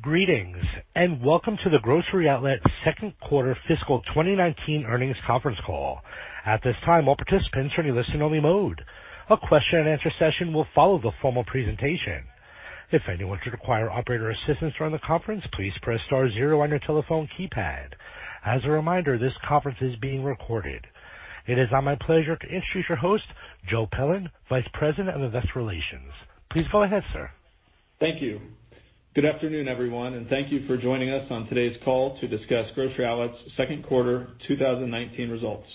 Greetings, welcome to the Grocery Outlet second quarter fiscal 2019 earnings conference call. At this time, all participants are in listen only mode. A question and answer session will follow the formal presentation. If anyone should require operator assistance during the conference, please press star zero on your telephone keypad. As a reminder, this conference is being recorded. It is now my pleasure to introduce your host, Joe Feldman, Vice President of Investor Relations. Please go ahead, sir. Thank you. Good afternoon, everyone, and thank you for joining us on today's call to discuss Grocery Outlet's second quarter 2019 results.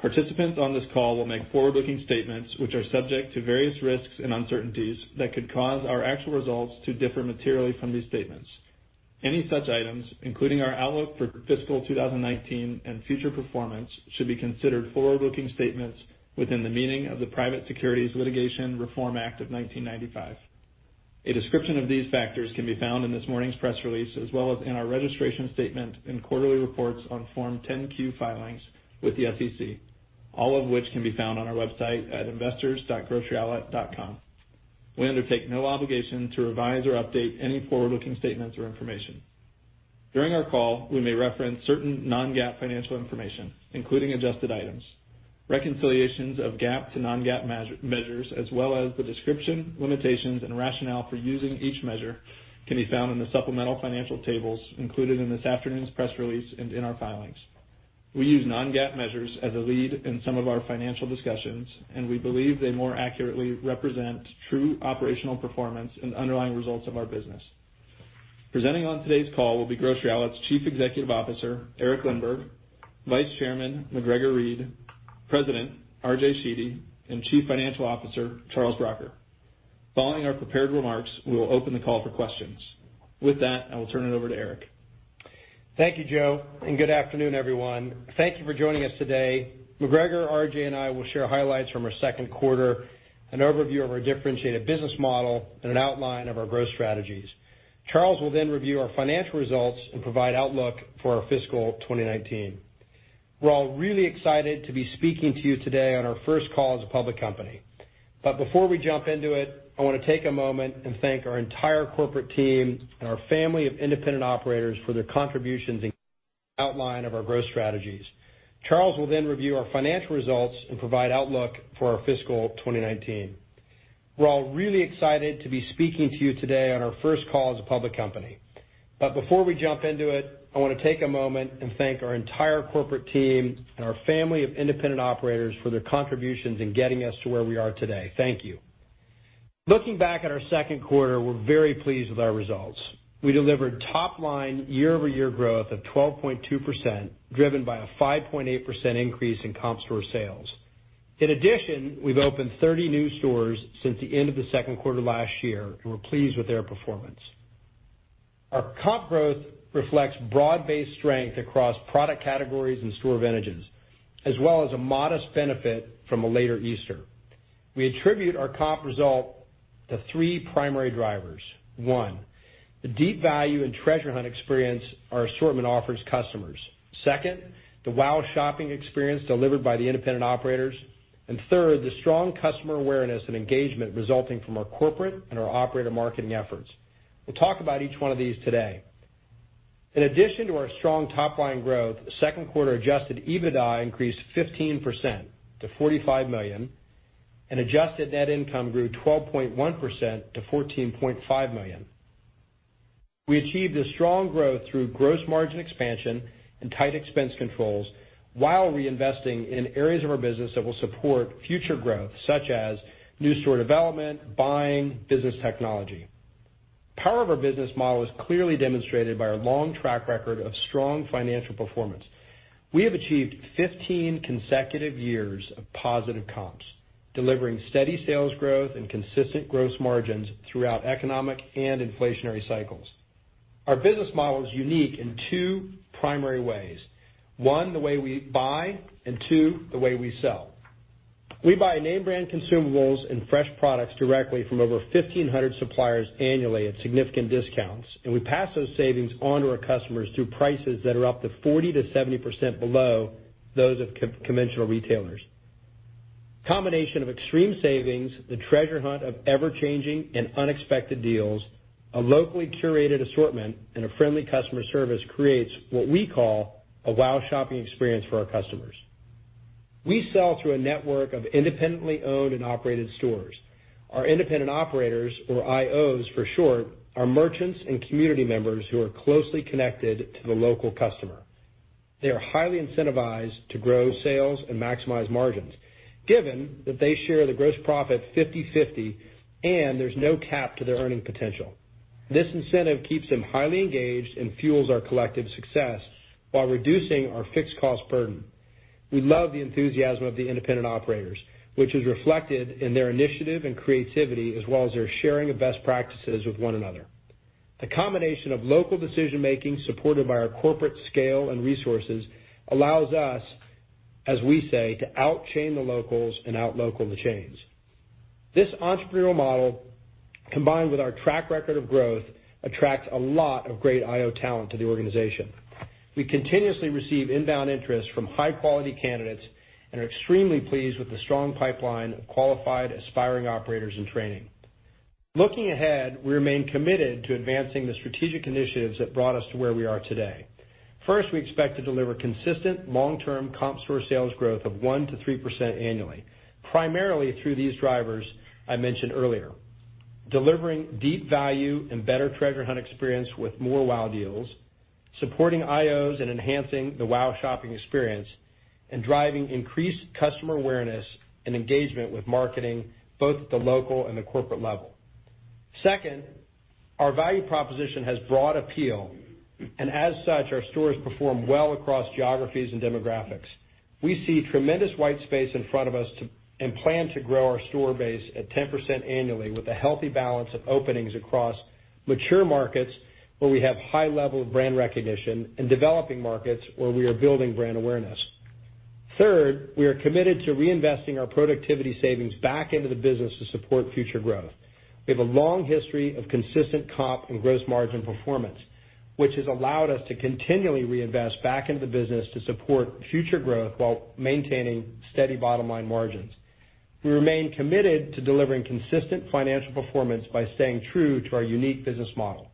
Participants on this call will make forward-looking statements, which are subject to various risks and uncertainties that could cause our actual results to differ materially from these statements. Any such items, including our outlook for fiscal 2019 and future performance, should be considered forward-looking statements within the meaning of the Private Securities Litigation Reform Act of 1995. A description of these factors can be found in this morning's press release, as well as in our registration statement and quarterly reports on Form 10-Q filings with the SEC, all of which can be found on our website at investors.groceryoutlet.com. We undertake no obligation to revise or update any forward-looking statements or information. During our call, we may reference certain non-GAAP financial information, including adjusted items. Reconciliations of GAAP to non-GAAP measures, as well as the description, limitations, and rationale for using each measure, can be found in the supplemental financial tables included in this afternoon's press release and in our filings. We use non-GAAP measures as a lead in some of our financial discussions, and we believe they more accurately represent true operational performance and underlying results of our business. Presenting on today's call will be Grocery Outlet's Chief Executive Officer, Eric Lindberg, Vice Chairman, MacGregor Read, President, RJ Sheedy, and Chief Financial Officer, Charles Bracher. Following our prepared remarks, we will open the call for questions. With that, I will turn it over to Eric. Thank you, Joe, and good afternoon, everyone. Thank you for joining us today. MacGregor, RJ, and I will share highlights from our second quarter, an overview of our differentiated business model, and an outline of our growth strategies. Charles will then review our financial results and provide outlook for our fiscal 2019. We're all really excited to be speaking to you today on our first call as a public company. Before we jump into it, I want to take a moment and thank our entire corporate team and our family of Independent Operators for their contributions outline of our growth strategies. Charles will then review our financial results and provide outlook for our fiscal 2019. We're all really excited to be speaking to you today on our first call as a public company. Before we jump into it, I want to take a moment and thank our entire corporate team and our family of Independent Operators for their contributions in getting us to where we are today. Thank you. Looking back at our second quarter, we are very pleased with our results. We delivered top-line year-over-year growth of 12.2%, driven by a 5.8% increase in comp store sales. In addition, we have opened 30 new stores since the end of the second quarter last year, and we are pleased with their performance. Our comp growth reflects broad-based strength across product categories and store vintages, as well as a modest benefit from a later Easter. We attribute our comp result to three primary drivers. One, the deep value and treasure hunt experience our assortment offers customers. Second, the wow shopping experience delivered by the Independent Operators. Third, the strong customer awareness and engagement resulting from our corporate and our operator marketing efforts. We'll talk about each one of these today. In addition to our strong top-line growth, second quarter adjusted EBITDA increased 15% to $45 million, and adjusted net income grew 12.1% to $14.5 million. We achieved this strong growth through gross margin expansion and tight expense controls while reinvesting in areas of our business that will support future growth, such as new store development, buying, business technology. The power of our business model is clearly demonstrated by our long track record of strong financial performance. We have achieved 15 consecutive years of positive comps, delivering steady sales growth and consistent gross margins throughout economic and inflationary cycles. Our business model is unique in two primary ways. One, the way we buy, and two, the way we sell. We buy name brand consumables and fresh products directly from over 1,500 suppliers annually at significant discounts, and we pass those savings on to our customers through prices that are up to 40%-70% below those of conventional retailers. The combination of extreme savings, the treasure hunt of ever-changing and unexpected deals, a locally curated assortment, and a friendly customer service creates what we call a wow shopping experience for our customers. We sell through a network of independently owned and operated stores. Our Independent Operators, or IOs for short, are merchants and community members who are closely connected to the local customer. They are highly incentivized to grow sales and maximize margins, given that they share the gross profit 50/50 and there's no cap to their earning potential. This incentive keeps them highly engaged and fuels our collective success while reducing our fixed cost burden. We love the enthusiasm of the Independent Operators, which is reflected in their initiative and creativity as well as their sharing of best practices with one another. The combination of local decision making supported by our corporate scale and resources allows us, as we say, to out-chain the locals and out-local the chains. This entrepreneurial model, combined with our track record of growth, attracts a lot of great IO talent to the organization. We continuously receive inbound interest from high-quality candidates and are extremely pleased with the strong pipeline of qualified Aspiring Operators in Training. Looking ahead, we remain committed to advancing the strategic initiatives that brought us to where we are today. First, we expect to deliver consistent long-term comp store sales growth of 1% to 3% annually, primarily through these drivers I mentioned earlier. Delivering deep value and better treasure hunt experience with more wow deals, supporting IOs and enhancing the wow shopping experience, and driving increased customer awareness and engagement with marketing, both at the local and the corporate level. Second, our value proposition has broad appeal, and as such, our stores perform well across geographies and demographics. We see tremendous white space in front of us and plan to grow our store base at 10% annually with a healthy balance of openings across mature markets where we have high level of brand recognition and developing markets where we are building brand awareness. Third, we are committed to reinvesting our productivity savings back into the business to support future growth. We have a long history of consistent comp and gross margin performance, which has allowed us to continually reinvest back into the business to support future growth while maintaining steady bottom-line margins. We remain committed to delivering consistent financial performance by staying true to our unique business model.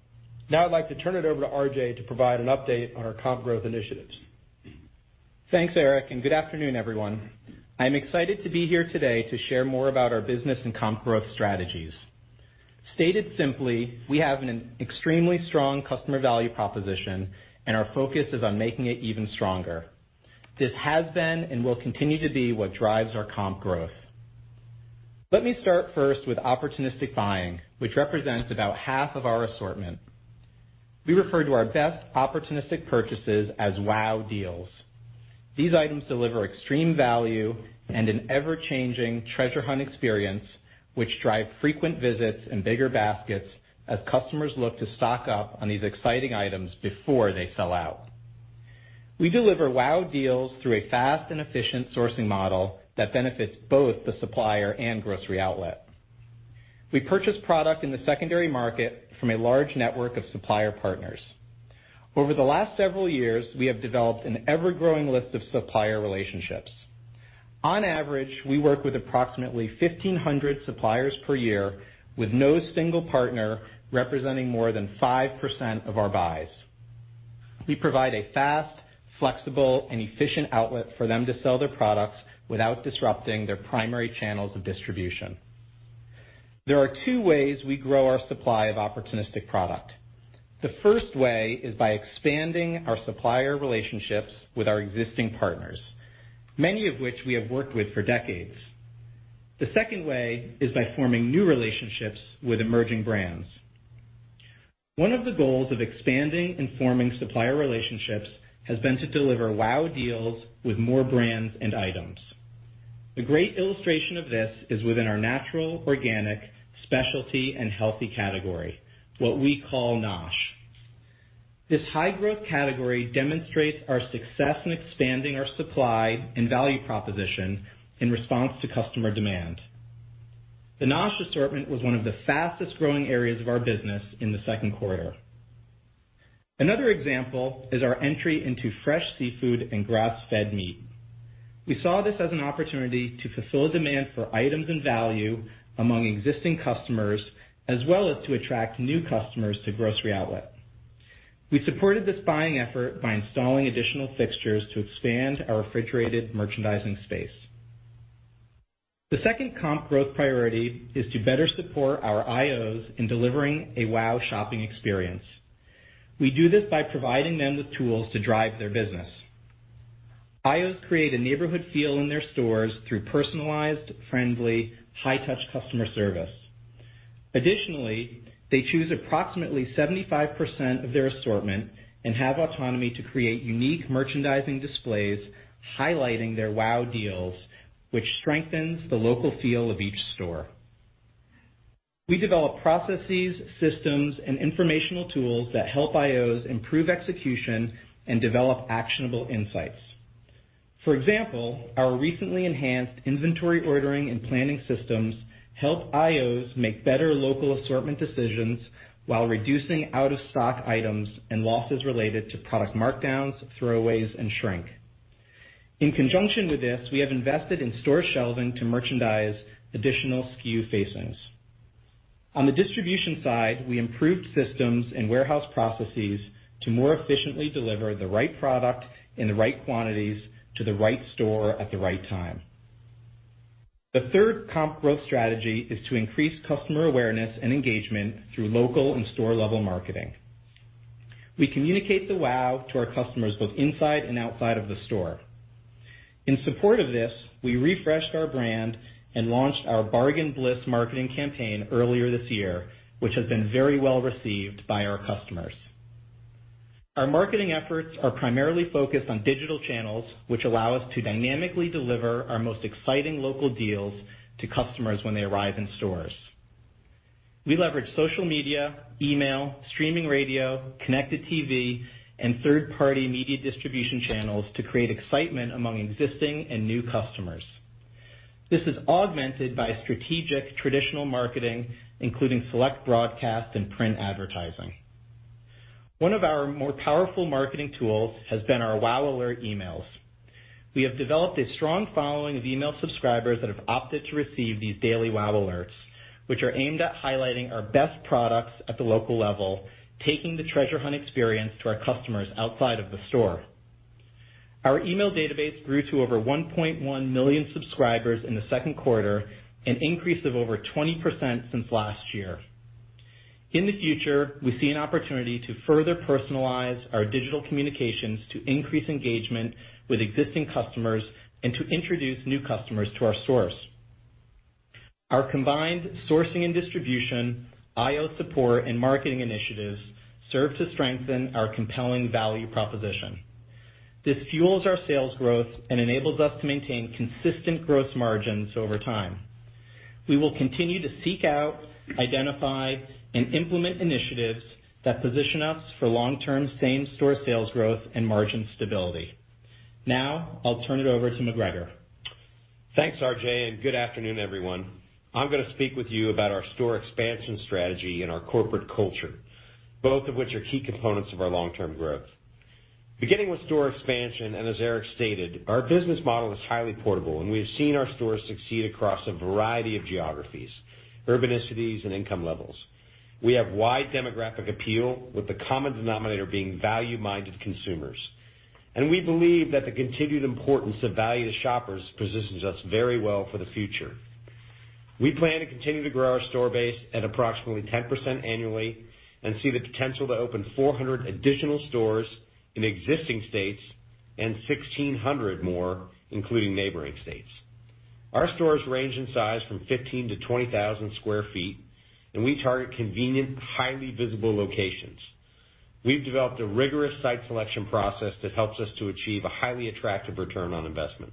Now I'd like to turn it over to RJ to provide an update on our comp growth initiatives. Thanks, Eric. Good afternoon, everyone. I'm excited to be here today to share more about our business and comp growth strategies. Stated simply, we have an extremely strong customer value proposition, and our focus is on making it even stronger. This has been and will continue to be what drives our comp growth. Let me start first with opportunistic buying, which represents about half of our assortment. We refer to our best opportunistic purchases as wow deals. These items deliver extreme value and an ever-changing treasure hunt experience, which drive frequent visits and bigger baskets as customers look to stock up on these exciting items before they sell out. We deliver wow deals through a fast and efficient sourcing model that benefits both the supplier and Grocery Outlet. We purchase product in the secondary market from a large network of supplier partners. Over the last several years, we have developed an ever-growing list of supplier relationships. On average, we work with approximately 1,500 suppliers per year, with no single partner representing more than 5% of our buys. We provide a fast, flexible, and efficient outlet for them to sell their products without disrupting their primary channels of distribution. There are two ways we grow our supply of opportunistic product. The first way is by expanding our supplier relationships with our existing partners, many of which we have worked with for decades. The second way is by forming new relationships with emerging brands. One of the goals of expanding and forming supplier relationships has been to deliver wow deals with more brands and items. A great illustration of this is within our natural, organic, specialty, and healthy category, what we call NOSH. This high-growth category demonstrates our success in expanding our supply and value proposition in response to customer demand. The NOSH assortment was one of the fastest-growing areas of our business in the second quarter. Another example is our entry into fresh seafood and grass-fed meat. We saw this as an opportunity to fulfill demand for items and value among existing customers, as well as to attract new customers to Grocery Outlet. We supported this buying effort by installing additional fixtures to expand our refrigerated merchandising space. The second comp growth priority is to better support our IOs in delivering a wow shopping experience. We do this by providing them the tools to drive their business. IOs create a neighborhood feel in their stores through personalized, friendly, high-touch customer service. Additionally, they choose approximately 75% of their assortment and have autonomy to create unique merchandising displays highlighting their wow deals, which strengthens the local feel of each store. We develop processes, systems, and informational tools that help IOs improve execution and develop actionable insights. For example, our recently enhanced inventory ordering and planning systems help IOs make better local assortment decisions while reducing out-of-stock items and losses related to product markdowns, throwaways, and shrink. In conjunction with this, we have invested in store shelving to merchandise additional SKU facings. On the distribution side, we improved systems and warehouse processes to more efficiently deliver the right product in the right quantities to the right store at the right time. The third comp growth strategy is to increase customer awareness and engagement through local and store-level marketing. We communicate the wow to our customers both inside and outside of the store. In support of this, we refreshed our brand and launched our Bargain Bliss marketing campaign earlier this year, which has been very well received by our customers. Our marketing efforts are primarily focused on digital channels, which allow us to dynamically deliver our most exciting local deals to customers when they arrive in stores. We leverage social media, email, streaming radio, connected TV, and third-party media distribution channels to create excitement among existing and new customers. This is augmented by strategic traditional marketing, including select broadcast and print advertising. One of our more powerful marketing tools has been our Wow Alert emails. We have developed a strong following of email subscribers that have opted to receive these daily Wow Alerts, which are aimed at highlighting our best products at the local level, taking the treasure hunt experience to our customers outside of the store. Our email database grew to over 1.1 million subscribers in the second quarter, an increase of over 20% since last year. In the future, we see an opportunity to further personalize our digital communications to increase engagement with existing customers and to introduce new customers to our stores. Our combined sourcing and distribution, IO support, and marketing initiatives serve to strengthen our compelling value proposition. This fuels our sales growth and enables us to maintain consistent growth margins over time. We will continue to seek out, identify, and implement initiatives that position us for long-term same-store sales growth and margin stability. Now, I'll turn it over to MacGregor. Thanks, RJ. Good afternoon, everyone. I'm going to speak with you about our store expansion strategy and our corporate culture, both of which are key components of our long-term growth. Beginning with store expansion, and as Eric stated, our business model is highly portable, and we have seen our stores succeed across a variety of geographies, urbanities, and income levels. We have wide demographic appeal, with the common denominator being value-minded consumers. We believe that the continued importance of value to shoppers positions us very well for the future. We plan to continue to grow our store base at approximately 10% annually and see the potential to open 400 additional stores in existing states and 1,600 more, including neighboring states. Our stores range in size from 15,000 to 20,000 square feet, and we target convenient, highly visible locations. We've developed a rigorous site selection process that helps us to achieve a highly attractive return on investment.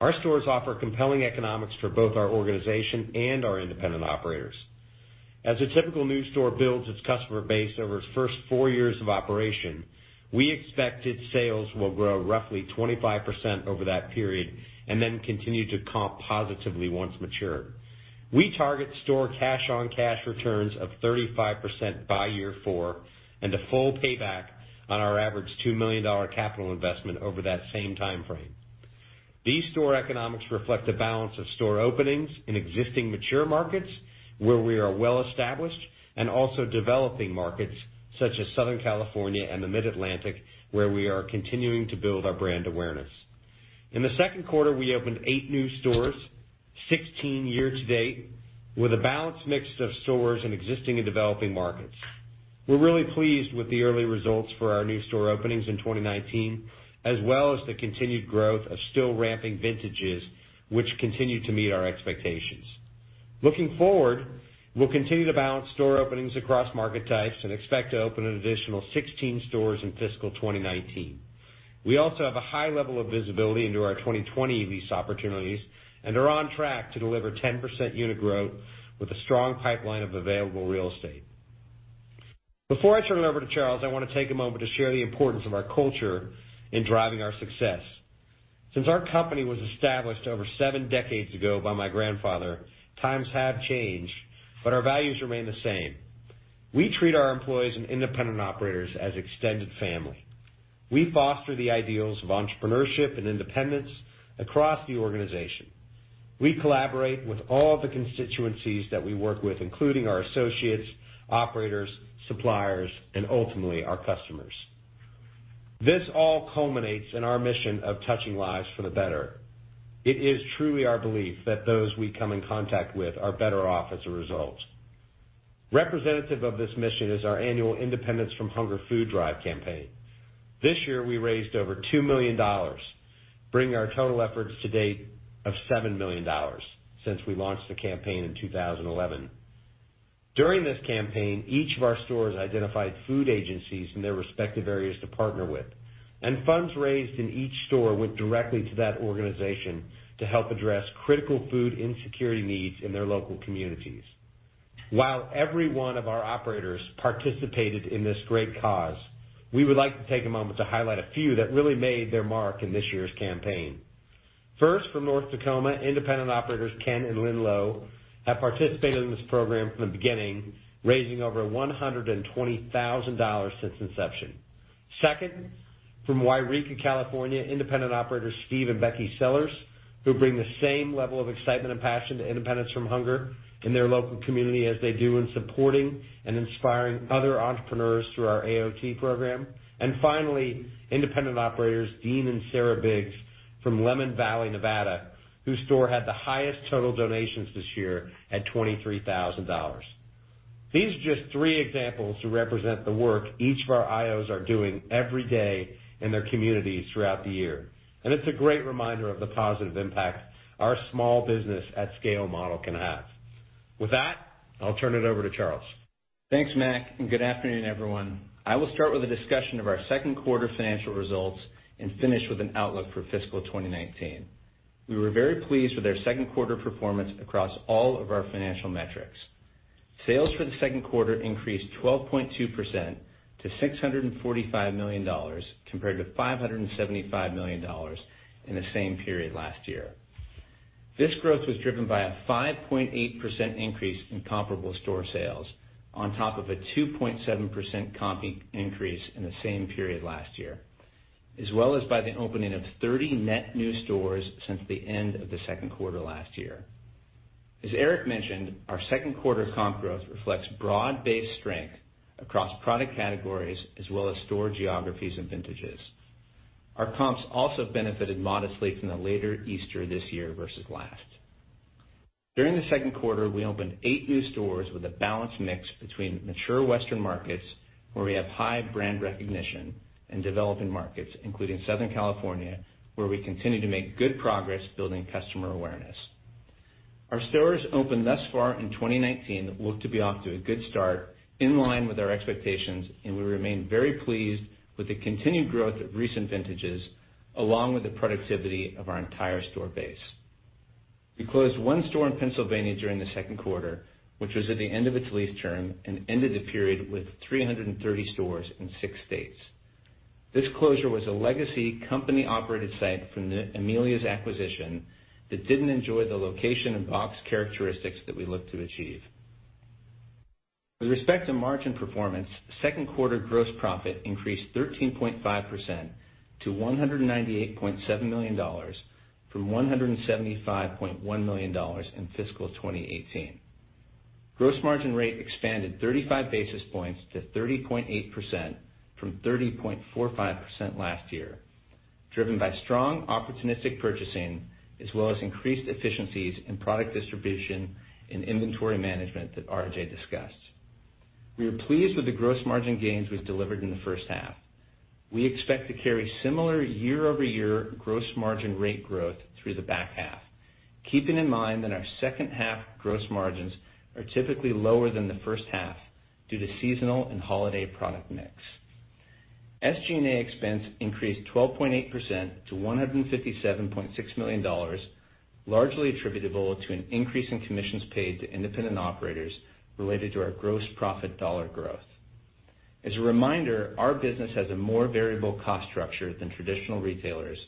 Our stores offer compelling economics for both our organization and our Independent Operators. As a typical new store builds its customer base over its first four years of operation, we expect its sales will grow roughly 25% over that period and then continue to comp positively once mature. We target store cash-on-cash returns of 35% by year four and a full payback on our average $2 million capital investment over that same timeframe. These store economics reflect the balance of store openings in existing mature markets, where we are well established, and also developing markets such as Southern California and the Mid-Atlantic, where we are continuing to build our brand awareness. In the second quarter, we opened eight new stores, 16 year to date, with a balanced mix of stores in existing and developing markets. We're really pleased with the early results for our new store openings in 2019, as well as the continued growth of still ramping vintages, which continue to meet our expectations. Looking forward, we'll continue to balance store openings across market types and expect to open an additional 16 stores in fiscal 2019. We also have a high level of visibility into our 2020 lease opportunities and are on track to deliver 10% unit growth with a strong pipeline of available real estate. Before I turn it over to Charles, I want to take a moment to share the importance of our culture in driving our success. Since our company was established over seven decades ago by my grandfather, times have changed, but our values remain the same. We treat our employees and Independent Operators as extended family. We foster the ideals of entrepreneurship and independence across the organization. We collaborate with all the constituencies that we work with, including our associates, operators, suppliers, and ultimately, our customers. This all culminates in our mission of touching lives for the better. It is truly our belief that those we come in contact with are better off as a result. Representative of this mission is our annual Independence from Hunger food drive campaign. This year, we raised over $2 million, bringing our total efforts to date of $7 million since we launched the campaign in 2011. During this campaign, each of our stores identified food agencies in their respective areas to partner with, and funds raised in each store went directly to that organization to help address critical food insecurity needs in their local communities. While every one of our operators participated in this great cause, we would like to take a moment to highlight a few that really made their mark in this year's campaign. First, from North Tacoma, Independent Operators Ken and Lynn Lowe have participated in this program from the beginning, raising over $120,000 since inception. Second, from Yreka, California, Independent Operators Steve and Becky Sellers, who bring the same level of excitement and passion to Independence from Hunger in their local community as they do in supporting and inspiring other entrepreneurs through our AOT program. Finally, independent operators Dean and Sarah Biggs from Lemmon Valley, Nevada, whose store had the highest total donations this year at $23,000. These are just three examples to represent the work each of our IOs are doing every day in their communities throughout the year, and it's a great reminder of the positive impact our small business at scale model can have. With that, I'll turn it over to Charles. Thanks, Mac. Good afternoon, everyone. I will start with a discussion of our second quarter financial results and finish with an outlook for fiscal 2019. We were very pleased with our second quarter performance across all of our financial metrics. Sales for the second quarter increased 12.2% to $645 million compared to $575 million in the same period last year. This growth was driven by a 5.8% increase in comparable store sales on top of a 2.7% comp increase in the same period last year, as well as by the opening of 30 net new stores since the end of the second quarter last year. As Eric mentioned, our second quarter comp growth reflects broad-based strength across product categories as well as store geographies and vintages. Our comps also benefited modestly from the later Easter this year versus last. During the second quarter, we opened eight new stores with a balanced mix between mature Western markets where we have high brand recognition in developing markets, including Southern California, where we continue to make good progress building customer awareness. Our stores opened thus far in 2019 look to be off to a good start, in line with our expectations, and we remain very pleased with the continued growth of recent vintages, along with the productivity of our entire store base. We closed one store in Pennsylvania during the second quarter, which was at the end of its lease term and ended the period with 330 stores in six states. This closure was a legacy company-operated site from the Amelia's acquisition that didn't enjoy the location and box characteristics that we look to achieve. With respect to margin performance, second quarter gross profit increased 13.5% to $198.7 million from $175.1 million in fiscal 2018. Gross margin rate expanded 35 basis points to 30.8% from 30.45% last year, driven by strong opportunistic purchasing as well as increased efficiencies in product distribution and inventory management that RJ discussed. We are pleased with the gross margin gains we've delivered in the first half. We expect to carry similar year-over-year gross margin rate growth through the back half, keeping in mind that our second half gross margins are typically lower than the first half due to seasonal and holiday product mix. SG&A expense increased 12.8% to $157.6 million, largely attributable to an increase in commissions paid to Independent Operators related to our gross profit dollar growth. As a reminder, our business has a more variable cost structure than traditional retailers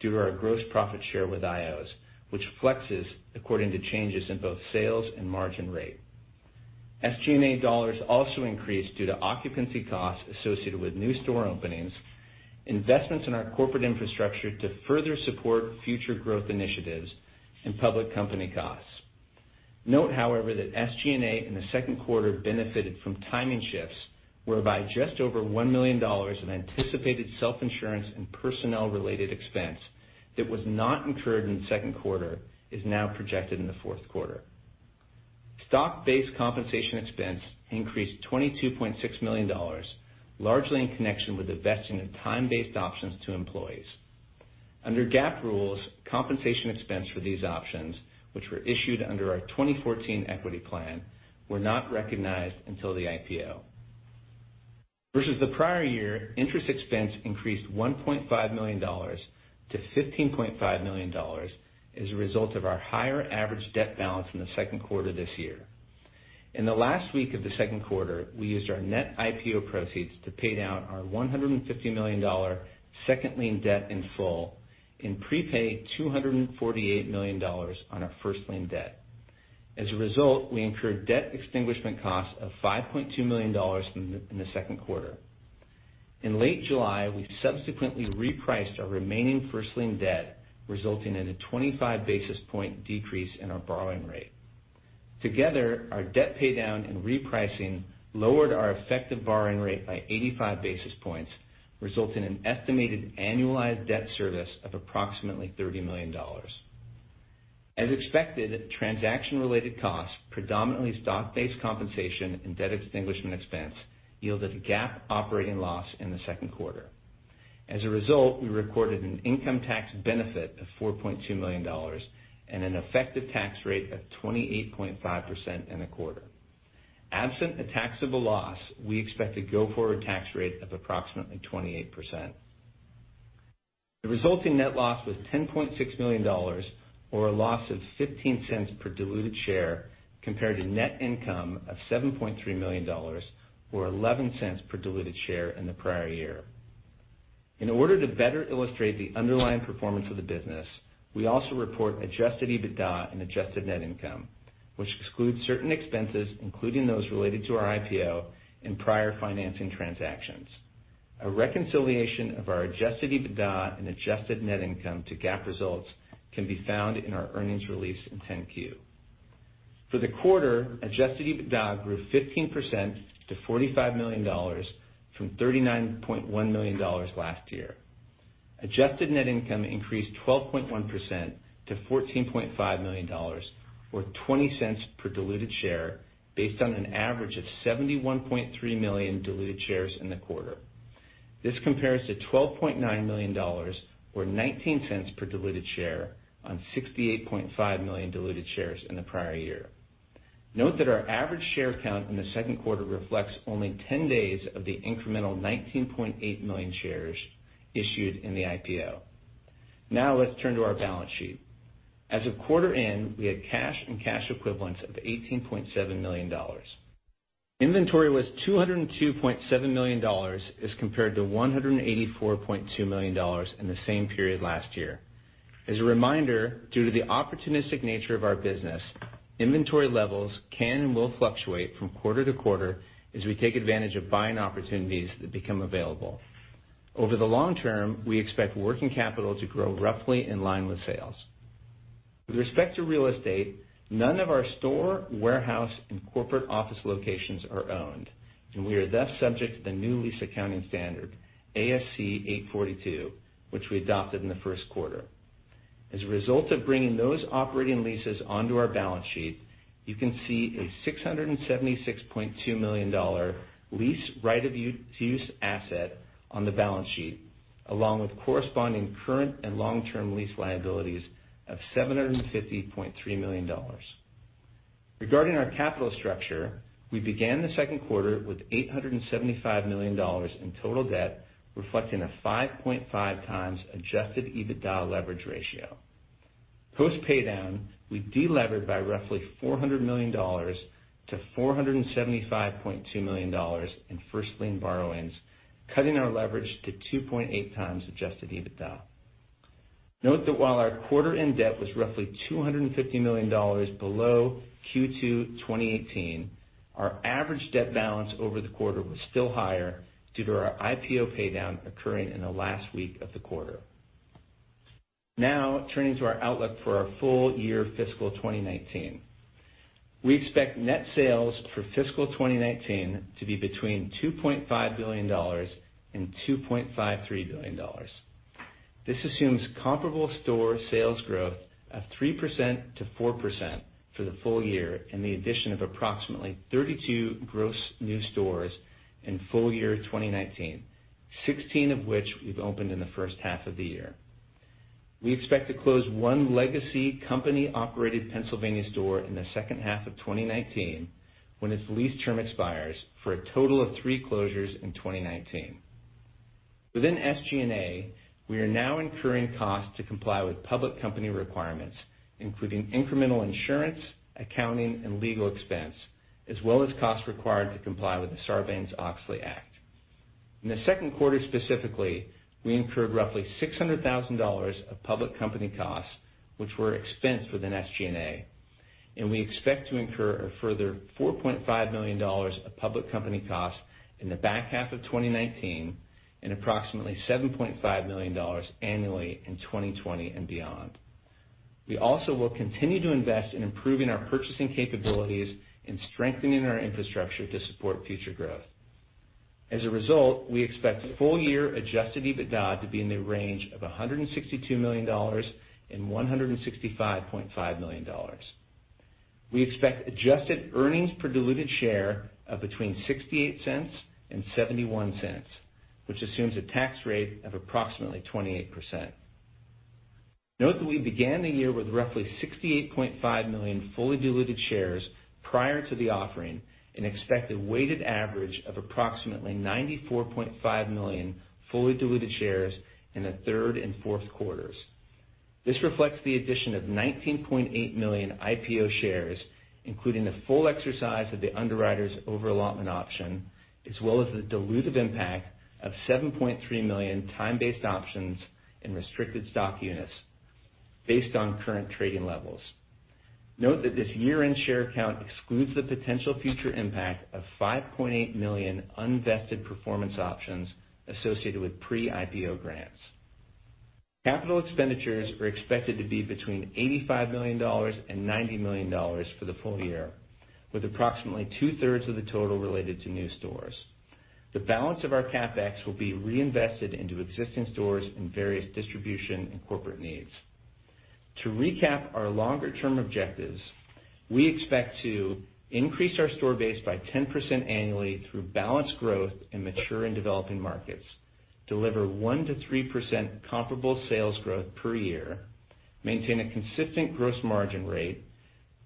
due to our gross profit share with IOs, which flexes according to changes in both sales and margin rate. SG&A dollars also increased due to occupancy costs associated with new store openings, investments in our corporate infrastructure to further support future growth initiatives and public company costs. Note, however, that SG&A in the second quarter benefited from timing shifts, whereby just over $1 million in anticipated self-insurance and personnel-related expense that was not incurred in the second quarter is now projected in the fourth quarter. Stock-based compensation expense increased $22.6 million, largely in connection with the vesting of time-based options to employees. Under GAAP rules, compensation expense for these options, which were issued under our 2014 equity plan, were not recognized until the IPO. Versus the prior year, interest expense increased $1.5 million to $15.5 million as a result of our higher average debt balance in the second quarter this year. In the last week of the second quarter, we used our net IPO proceeds to pay down our $150 million second lien debt in full and prepay $248 million on our first lien debt. As a result, we incurred debt extinguishment costs of $5.2 million in the second quarter. In late July, we subsequently repriced our remaining first lien debt, resulting in a 25 basis point decrease in our borrowing rate. Together, our debt paydown and repricing lowered our effective borrowing rate by 85 basis points, resulting in an estimated annualized debt service of approximately $30 million. As expected, transaction-related costs, predominantly stock-based compensation and debt extinguishment expense, yielded GAAP operating loss in the second quarter. As a result, we recorded an income tax benefit of $4.2 million and an effective tax rate of 28.5% in the quarter. Absent a taxable loss, we expect a go-forward tax rate of approximately 28%. The resulting net loss was $10.6 million, or a loss of $0.15 per diluted share, compared to net income of $7.3 million, or $0.11 per diluted share in the prior year. In order to better illustrate the underlying performance of the business, we also report adjusted EBITDA and adjusted net income, which excludes certain expenses, including those related to our IPO and prior financing transactions. A reconciliation of our adjusted EBITDA and adjusted net income to GAAP results can be found in our earnings release in 10-Q. For the quarter, adjusted EBITDA grew 15% to $45 million from $39.1 million last year. Adjusted net income increased 12.1% to $14.5 million, or $0.20 per diluted share, based on an average of 71.3 million diluted shares in the quarter. This compares to $12.9 million, or $0.19 per diluted share, on 68.5 million diluted shares in the prior year. Note that our average share count in the second quarter reflects only 10 days of the incremental 19.8 million shares issued in the IPO. Now let's turn to our balance sheet. As of quarter end, we had cash and cash equivalents of $18.7 million. Inventory was $202.7 million as compared to $184.2 million in the same period last year. As a reminder, due to the opportunistic nature of our business, inventory levels can and will fluctuate from quarter to quarter as we take advantage of buying opportunities that become available. Over the long term, we expect working capital to grow roughly in line with sales. With respect to real estate, none of our store, warehouse, and corporate office locations are owned, and we are thus subject to the new lease accounting standard, ASC 842, which we adopted in the first quarter. As a result of bringing those operating leases onto our balance sheet, you can see a $676.2 million lease right of use asset on the balance sheet, along with corresponding current and long-term lease liabilities of $750.3 million. Regarding our capital structure, we began the second quarter with $875 million in total debt, reflecting a 5.5 times adjusted EBITDA leverage ratio. Post pay down, we delevered by roughly $400 million to $475.2 million in first lien borrowings, cutting our leverage to 2.8 times adjusted EBITDA. Note that while our quarter-end debt was roughly $250 million below Q2 2018, our average debt balance over the quarter was still higher due to our IPO pay down occurring in the last week of the quarter. Now turning to our outlook for our full year fiscal 2019. We expect net sales for fiscal 2019 to be between $2.5 billion and $2.53 billion. This assumes comparable store sales growth of 3% to 4% for the full year and the addition of approximately 32 gross new stores in full year 2019, 16 of which we've opened in the first half of the year. We expect to close 1 legacy company-operated Pennsylvania store in the second half of 2019 when its lease term expires for a total of 3 closures in 2019. Within SG&A, we are now incurring costs to comply with public company requirements, including incremental insurance, accounting, and legal expense, as well as costs required to comply with the Sarbanes-Oxley Act. In the 2Q specifically, we incurred roughly $600,000 of public company costs, which were expensed within SG&A, and we expect to incur a further $4.5 million of public company costs in the back half of 2019 and approximately $7.5 million annually in 2020 and beyond. We also will continue to invest in improving our purchasing capabilities and strengthening our infrastructure to support future growth. We expect full year adjusted EBITDA to be in the range of $162 million and $165.5 million. We expect adjusted earnings per diluted share of between $0.68 and $0.71, which assumes a tax rate of approximately 28%. Note that we began the year with roughly 68.5 million fully diluted shares prior to the offering and expect a weighted average of approximately 94.5 million fully diluted shares in the third and fourth quarters. This reflects the addition of 19.8 million IPO shares, including the full exercise of the underwriter's overallotment option, as well as the dilutive impact of 7.3 million time-based options and restricted stock units based on current trading levels. Note that this year-end share count excludes the potential future impact of 5.8 million unvested performance options associated with pre-IPO grants. Capital expenditures are expected to be between $85 million and $90 million for the full year, with approximately two-thirds of the total related to new stores. The balance of our CapEx will be reinvested into existing stores and various distribution and corporate needs. To recap our longer-term objectives, we expect to increase our store base by 10% annually through balanced growth in mature and developing markets, deliver 1%-3% comparable sales growth per year, maintain a consistent gross margin rate,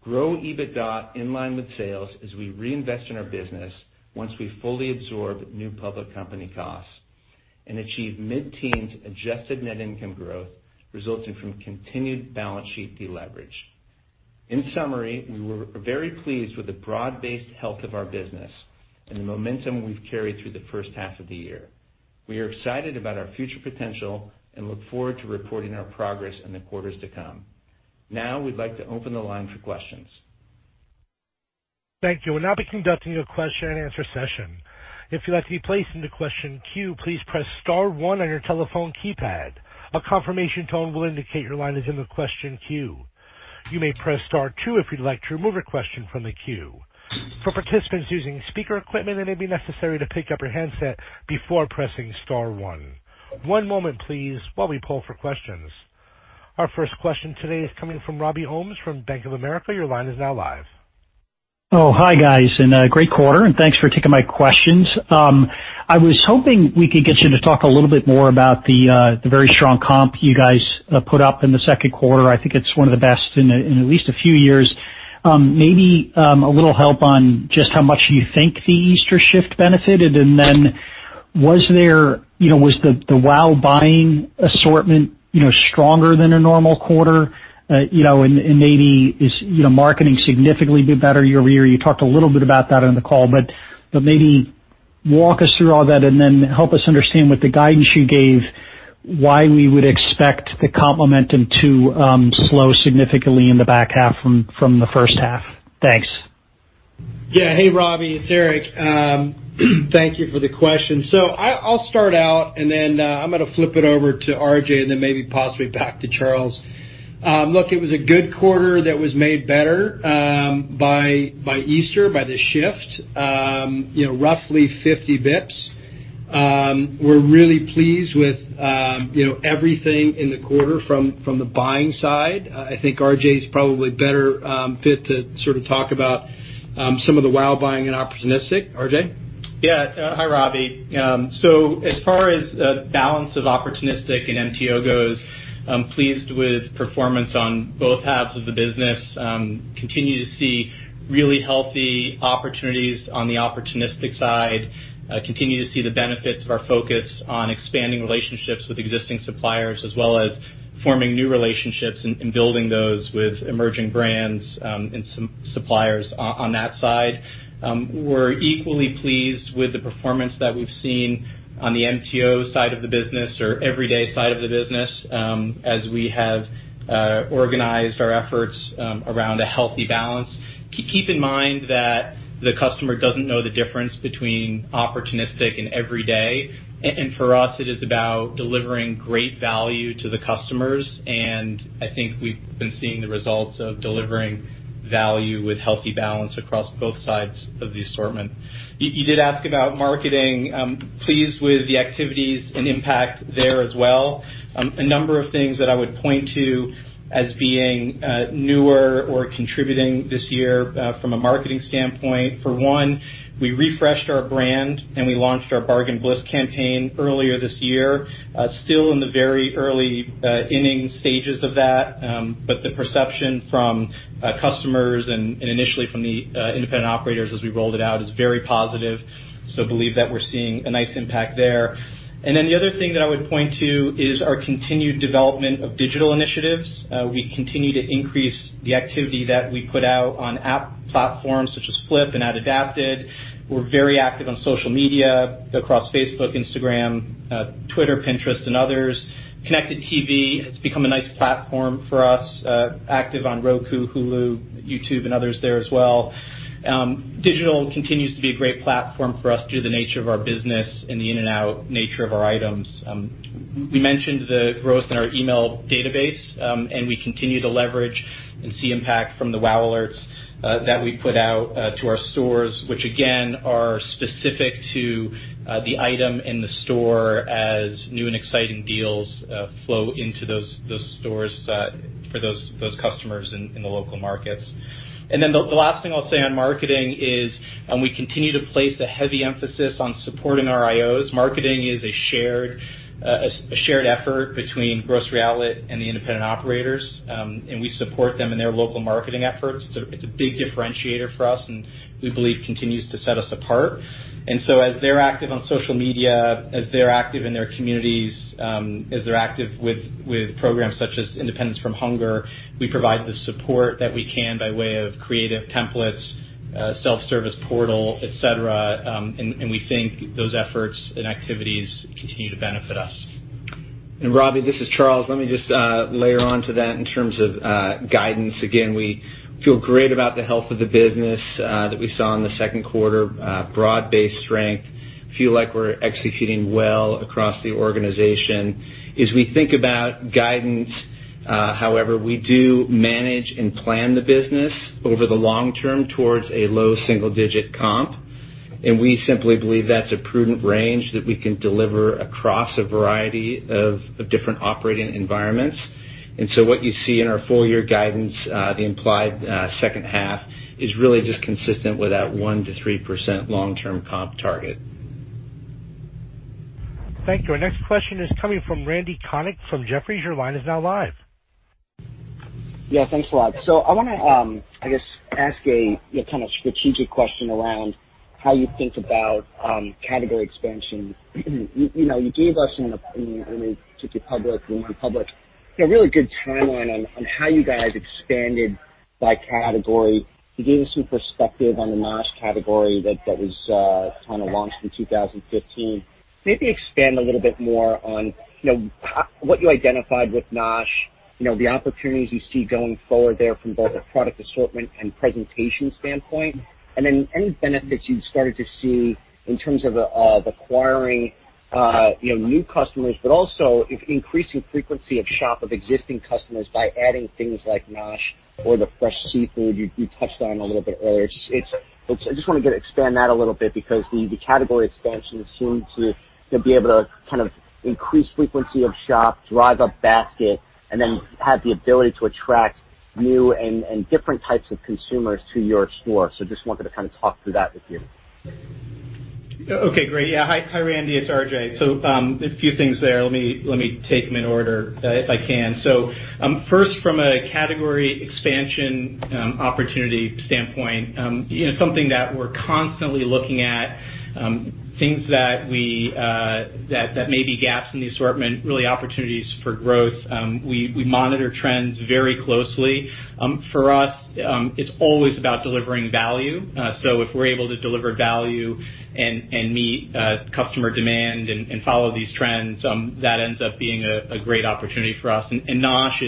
grow EBITDA in line with sales as we reinvest in our business once we fully absorb new public company costs, and achieve mid-teens adjusted net income growth resulting from continued balance sheet deleverage. In summary, we were very pleased with the broad-based health of our business and the momentum we've carried through the first half of the year. We are excited about our future potential and look forward to reporting our progress in the quarters to come. Now we'd like to open the line for questions. Thank you. We'll now be conducting a question and answer session. If you'd like to be placed into question queue, please press star one on your telephone keypad. A confirmation tone will indicate your line is in the question queue. You may press star two if you'd like to remove a question from the queue. For participants using speaker equipment, it may be necessary to pick up your handset before pressing star one. One moment please while we poll for questions. Our first question today is coming from Robbie Holmes from Bank of America. Your line is now live. Hi, guys, great quarter, and thanks for taking my questions. I was hoping we could get you to talk a little bit more about the very strong comp you guys put up in the second quarter. I think it's one of the best in at least a few years. Maybe a little help on just how much you think the Easter shift benefited. Was the Wow Alert buying assortment stronger than a normal quarter, and maybe is marketing significantly better year-over-year? You talked a little bit about that on the call, but maybe walk us through all that and then help us understand with the guidance you gave, why we would expect the comp momentum to slow significantly in the back half from the first half. Thanks. Yeah. Hey, Robbie, it's Eric. Thank you for the question. I'll start out and then I'm going to flip it over to RJ, and then maybe possibly back to Charles. Look, it was a good quarter that was made better by Easter, by the shift. Roughly 50 basis points. We're really pleased with everything in the quarter from the buying side. I think RJ is probably better fit to sort of talk about some of the WOW buying and opportunistic. RJ? Yeah. Hi, Robbie. As far as balance of opportunistic and MTO goes, I'm pleased with performance on both halves of the business. Continue to see really healthy opportunities on the opportunistic side, continue to see the benefits of our focus on expanding relationships with existing suppliers, as well as forming new relationships and building those with emerging brands, and suppliers on that side. We're equally pleased with the performance that we've seen on the MTO side of the business or everyday side of the business, as we have organized our efforts around a healthy balance. Keep in mind that the customer doesn't know the difference between opportunistic and every day. For us, it is about delivering great value to the customers, and I think we've been seeing the results of delivering value with healthy balance across both sides of the assortment. You did ask about marketing. Pleased with the activities and impact there as well. A number of things that I would point to as being newer or contributing this year from a marketing standpoint. For one, we refreshed our brand and we launched our Bargain Bliss campaign earlier this year. Still in the very early inning stages of that, the perception from customers and initially from the Independent Operators as we rolled it out is very positive. Believe that we're seeing a nice impact there. The other thing that I would point to is our continued development of digital initiatives. We continue to increase the activity that we put out on app platforms such as Flipp and AdAdapted. We're very active on social media across Facebook, Instagram, Twitter, Pinterest, and others. Connected TV has become a nice platform for us, active on Roku, Hulu, YouTube, and others there as well. Digital continues to be a great platform for us due to the nature of our business and the in and out nature of our items. We mentioned the growth in our email database, and we continue to leverage and see impact from the Wow Alert that we put out to our stores, which again, are specific to the item in the store as new and exciting deals flow into those stores for those customers in the local markets. The last thing I'll say on marketing is we continue to place a heavy emphasis on supporting our IOs. Marketing is a shared effort between Grocery Outlet and the Independent Operators, and we support them in their local marketing efforts. It's a big differentiator for us and we believe continues to set us apart. As they're active on social media, as they're active in their communities, as they're active with programs such as Independence from Hunger, we provide the support that we can by way of creative templates, self-service portal, et cetera, and we think those efforts and activities continue to benefit us. Robbie, this is Charles. Let me just layer onto that in terms of guidance. We feel great about the health of the business that we saw in the second quarter, broad-based strength. We feel like we're executing well across the organization. As we think about guidance, however, we do manage and plan the business over the long term towards a low single-digit comp, we simply believe that's a prudent range that we can deliver across a variety of different operating environments. What you see in our full year guidance, the implied second half is really just consistent with that 1%-3% long term comp target. Thank you. Our next question is coming from Randy Konik from Jefferies. Your line is now live. Yeah, thanks a lot. I want to, I guess, ask a kind of strategic question around how you think about category expansion. You gave us in when you went public, a really good timeline on how you guys expanded by category. You gave us some perspective on the NOSH category that was kind of launched in 2015. Maybe expand a little bit more on what you identified with NOSH, the opportunities you see going forward there from both a product assortment and presentation standpoint, and then any benefits you've started to see in terms of acquiring new customers, but also increasing frequency of shop of existing customers by adding things like NOSH or the fresh seafood you touched on a little bit earlier. I just want to expand that a little bit because the category expansion seemed to be able to kind of increase frequency of shop, drive up basket, and then have the ability to attract new and different types of consumers to your store. Just wanted to kind of talk through that with you. Okay, great. Yeah. Hi, Randy. A few things there. Let me take them in order if I can. First, from a category expansion opportunity standpoint, something that we're constantly looking at, things that may be gaps in the assortment, really opportunities for growth. We monitor trends very closely. For us, it's always about delivering value. If we're able to deliver value and meet customer demand and follow these trends, that ends up being a great opportunity for us. NOSH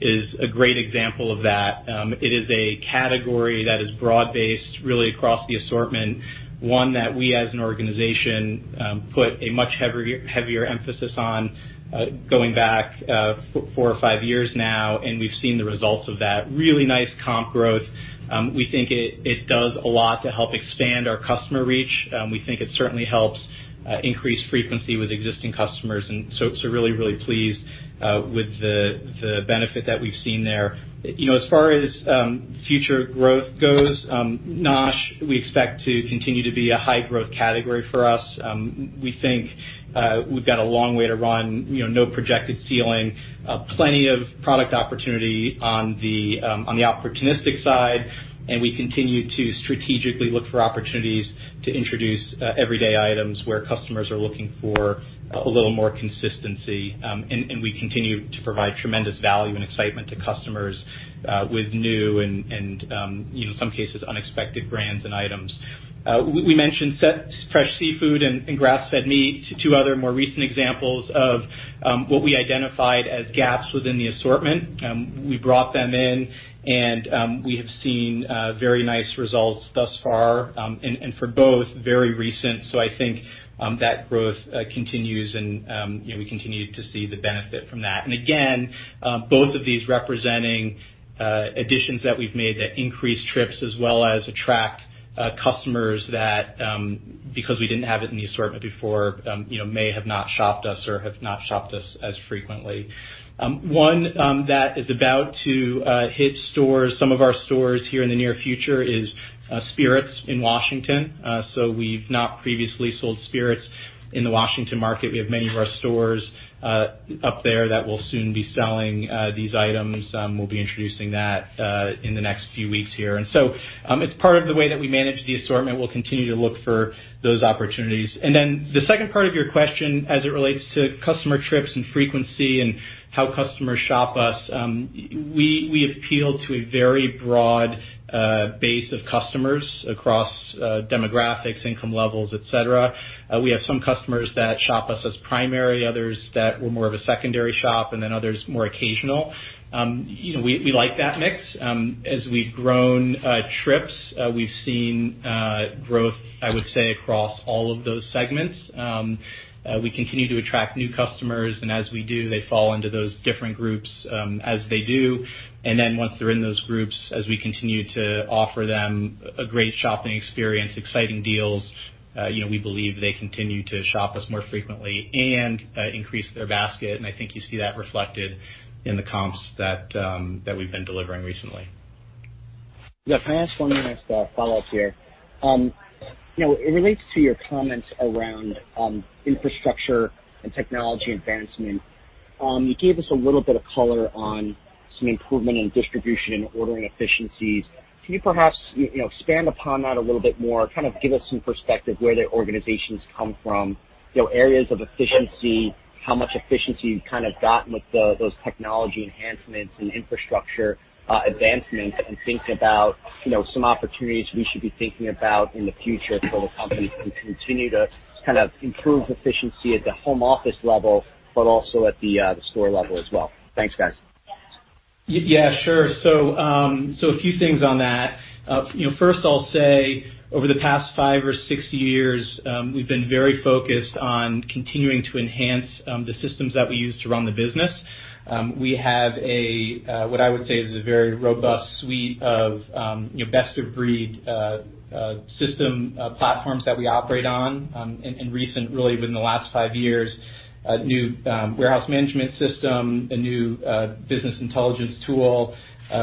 is a great example of that. It is a category that is broad-based, really across the assortment, one that we as an organization put a much heavier emphasis on going back four or five years now, and we've seen the results of that. Really nice comp growth. We think it does a lot to help expand our customer reach. We think it certainly helps increase frequency with existing customers, and so really, really pleased with the benefit that we've seen there. As far as future growth goes, NOSH, we expect to continue to be a high growth category for us. We think we've got a long way to run, no projected ceiling, plenty of product opportunity on the opportunistic side, and we continue to strategically look for opportunities to introduce everyday items where customers are looking for a little more consistency. We continue to provide tremendous value and excitement to customers with new and, in some cases, unexpected brands and items. We mentioned fresh seafood and grass-fed meat, two other more recent examples of what we identified as gaps within the assortment. We brought them in, and we have seen very nice results thus far. For both, very recent. I think that growth continues and we continue to see the benefit from that. Again, both of these representing additions that we've made that increase trips as well as attract customers that, because we didn't have it in the assortment before, may have not shopped us or have not shopped us as frequently. One that is about to hit some of our stores here in the near future is spirits in Washington. We've not previously sold spirits in the Washington market. We have many of our stores up there that will soon be selling these items. We'll be introducing that in the next few weeks here. It's part of the way that we manage the assortment. We'll continue to look for those opportunities. Then the second part of your question as it relates to customer trips and frequency and how customers shop us, we appeal to a very broad base of customers across demographics, income levels, et cetera. We have some customers that shop us as primary, others that we're more of a secondary shop, and then others more occasional. We like that mix. As we've grown trips, we've seen growth, I would say, across all of those segments. We continue to attract new customers, and as we do, they fall into those different groups as they do. Then once they're in those groups, as we continue to offer them a great shopping experience, exciting deals, we believe they continue to shop us more frequently and increase their basket. I think you see that reflected in the comps that we've been delivering recently. Yeah. Can I ask one last follow-up here? It relates to your comments around infrastructure and technology advancement. You gave us a little bit of color on some improvement in distribution and ordering efficiencies. Can you perhaps expand upon that a little bit more? Kind of give us some perspective where the organization's come from, areas of efficiency, how much efficiency you've kind of gotten with those technology enhancements and infrastructure advancements, and think about some opportunities we should be thinking about in the future so the company can continue to kind of improve efficiency at the home office level, but also at the store level as well. Thanks, guys. Yeah, sure. A few things on that. First, I'll say over the past five or six years, we've been very focused on continuing to enhance the systems that we use to run the business. We have what I would say is a very robust suite of best-of-breed system platforms that we operate on. In recent, really within the last five years, a new warehouse management system, a new business intelligence tool.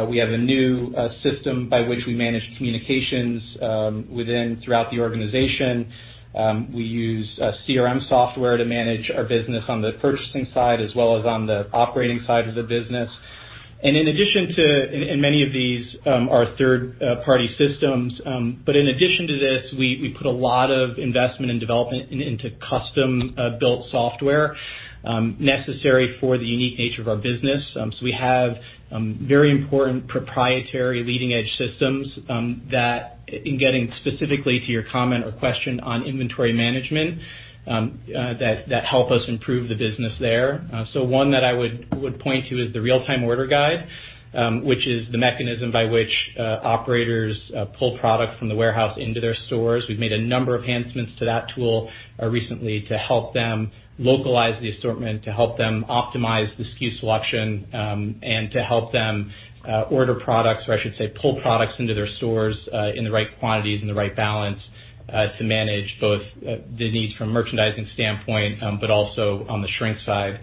We have a new system by which we manage communications throughout the organization. We use CRM software to manage our business on the purchasing side, as well as on the operating side of the business. Many of these are third-party systems, but in addition to this, we put a lot of investment and development into custom-built software necessary for the unique nature of our business. We have very important proprietary leading edge systems that, in getting specifically to your comment or question on inventory management, that help us improve the business there. One that I would point to is the real-time order guide, which is the mechanism by which operators pull product from the warehouse into their stores. We've made a number of enhancements to that tool recently to help them localize the assortment, to help them optimize the SKU selection, and to help them order products, or I should say, pull products into their stores in the right quantities and the right balance to manage both the needs from a merchandising standpoint, but also on the shrink side.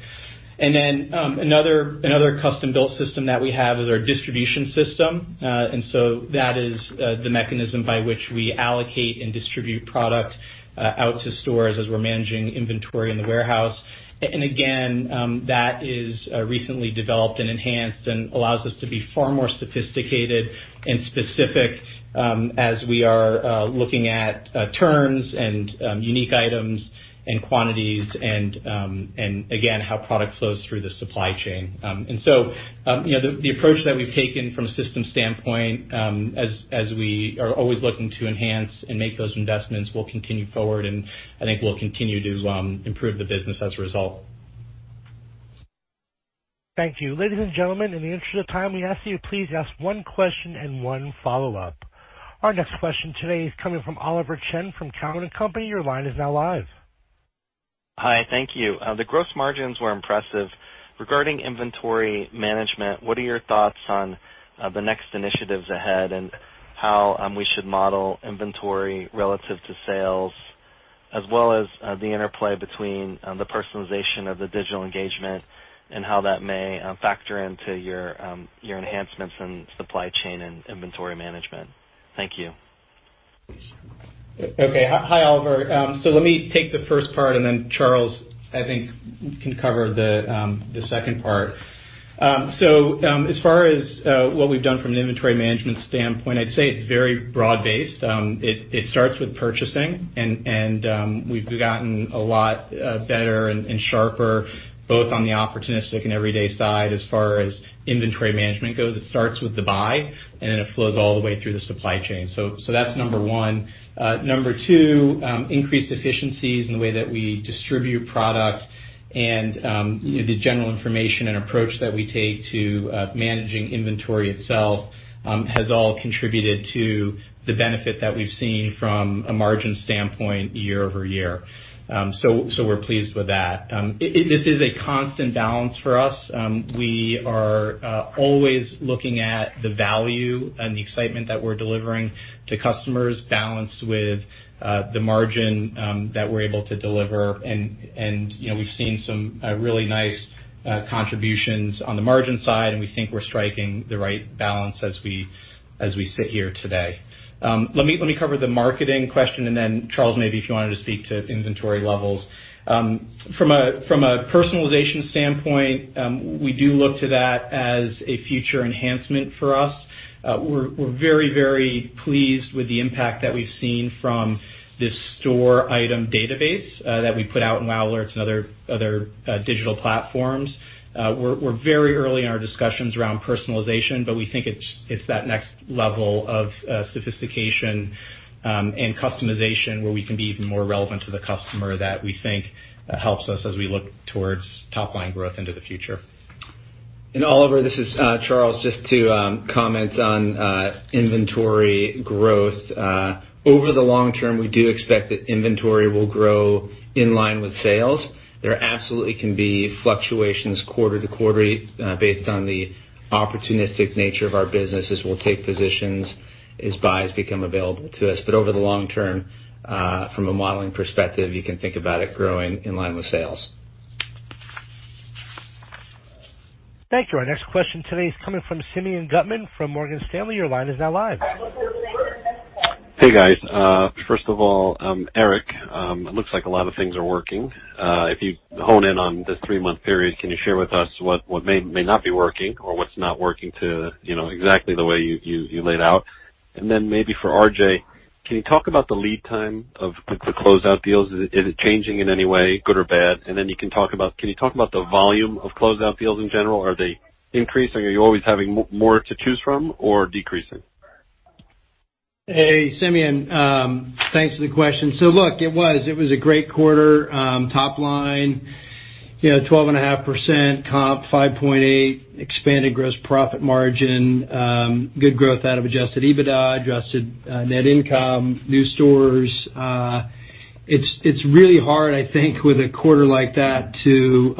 Then another custom-built system that we have is our distribution system. That is the mechanism by which we allocate and distribute product out to stores as we're managing inventory in the warehouse. Again, that is recently developed and enhanced and allows us to be far more sophisticated and specific as we are looking at terms and unique items and quantities and, again, how product flows through the supply chain. The approach that we've taken from a systems standpoint, as we are always looking to enhance and make those investments, will continue forward, and I think we'll continue to improve the business as a result. Thank you. Ladies and gentlemen, in the interest of time, we ask that you please ask one question and one follow-up. Our next question today is coming from Oliver Chen from Cowen and Company. Your line is now live. Hi. Thank you. The gross margins were impressive. Regarding inventory management, what are your thoughts on the next initiatives ahead and how we should model inventory relative to sales, as well as the interplay between the personalization of the digital engagement and how that may factor into your enhancements in supply chain and inventory management? Thank you. Okay. Hi, Oliver. Let me take the first part and then Charles, I think, can cover the second part. As far as what we've done from an inventory management standpoint, I'd say it's very broad-based. It starts with purchasing, and we've gotten a lot better and sharper, both on the opportunistic and everyday side as far as inventory management goes. It starts with the buy, and then it flows all the way through the supply chain. That's number 1. Number 2, increased efficiencies in the way that we distribute product and the general information and approach that we take to managing inventory itself has all contributed to the benefit that we've seen from a margin standpoint year-over-year. We're pleased with that. This is a constant balance for us. We are always looking at the value and the excitement that we're delivering to customers balanced with the margin that we're able to deliver. We've seen some really nice contributions on the margin side. We think we're striking the right balance as we sit here today. Let me cover the marketing question, then Charles, maybe if you wanted to speak to inventory levels. From a personalization standpoint, we do look to that as a future enhancement for us. We're very pleased with the impact that we've seen from this store item database that we put out in Wow Alerts and other digital platforms. We're very early in our discussions around personalization, we think it's that next level of sophistication and customization where we can be even more relevant to the customer that we think helps us as we look towards top-line growth into the future. Oliver, this is Charles. Just to comment on inventory growth. Over the long term, we do expect that inventory will grow in line with sales. There absolutely can be fluctuations quarter to quarter based on the opportunistic nature of our business as we'll take positions as buys become available to us. Over the long term, from a modeling perspective, you can think about it growing in line with sales. Thank you. Our next question today is coming from Simeon Gutman from Morgan Stanley. Your line is now live. Hey, guys. First of all, Eric, it looks like a lot of things are working. If you hone in on this three-month period, can you share with us what may not be working or what's not working to exactly the way you laid out? Maybe for RJ, can you talk about the lead time of the closeout deals? Is it changing in any way, good or bad? Can you talk about the volume of closeout deals in general? Are they increasing? Are you always having more to choose from or decreasing? Hey, Simeon. Thanks for the question. Look, it was a great quarter. Top line, 12.5% comp, 5.8% expanded gross profit margin, good growth out of adjusted EBITDA, adjusted net income, new stores. It's really hard, I think, with a quarter like that to